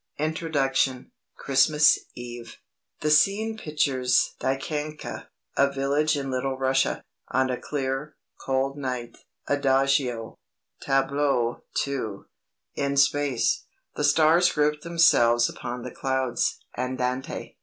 INTRODUCTION: CHRISTMAS EVE "The scene pictures Dikanka, a village in Little Russia, on a clear, cold night (Adagio). "TABLEAU II. IN SPACE "The stars group themselves upon the clouds (Andante).